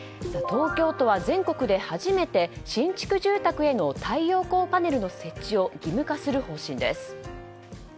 東京都は全国で初めて新築住宅への太陽光パネルの設置を義務化する方針です。